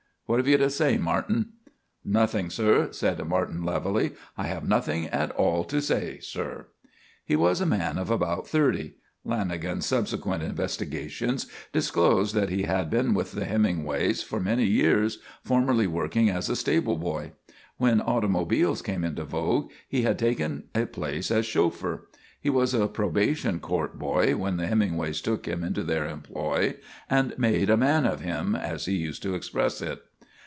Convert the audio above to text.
What have you to say, Martin?" "Nothing, sir," said Martin levelly. "I have nothing at all to say, sir." He was a man of about thirty. Lanagan's subsequent investigations disclosed that he had been with the Hemingways for many years, formerly working as a stable boy. When automobiles came into vogue, he had taken a place as chauffeur. He was a probation court boy when the Hemingways took him into their employ and "made a man of him," as he used to express it.